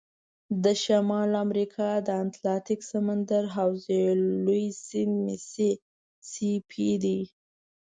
د شمال امریکا د اتلانتیک سمندر حوزې لوی سیند میسی سی پي دی.